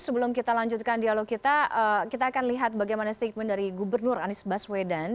sebelum kita lanjutkan dialog kita kita akan lihat bagaimana statement dari gubernur anies baswedan